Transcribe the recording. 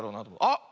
あっ！